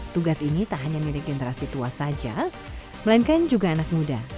tugas ini tak hanya milik generasi tua saja melainkan juga anak muda